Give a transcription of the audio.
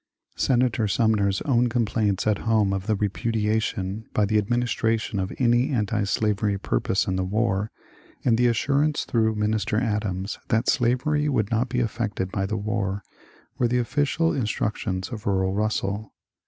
Senator Sumner's own complaints at home of the repudiation by the administration of any antislavery pur pose in the war, and the assurance through Minister Adams that slavery would not be affected by the war, were the offi cial instructions of Earl Bussell.